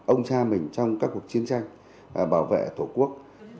ông cha mình trong các cuộc chiến tranh bảo vệ tổ quốc